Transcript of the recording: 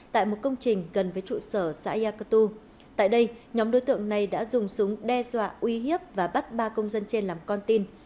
tại một công trình gần với trụ sở xã yac cơ tu tại đây nhóm đối tượng này đã dùng súng đe dọa uy hiếp và bắt ba công dân trên làm con tin